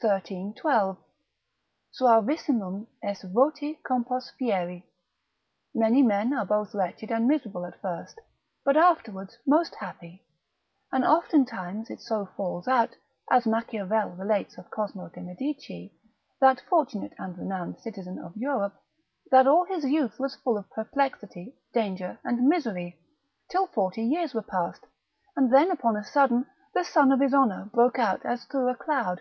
xiii. 12, suavissimum est voti compos fieri. Many men are both wretched and miserable at first, but afterwards most happy: and oftentimes it so falls out, as Machiavel relates of Cosmo de Medici, that fortunate and renowned citizen of Europe, that all his youth was full of perplexity, danger, and misery, till forty years were past, and then upon a sudden the sun of his honour broke out as through a cloud.